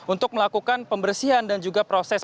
untuk melakukan pembersihan dan juga proses